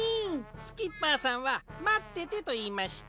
スキッパーさんは「まってて」といいました。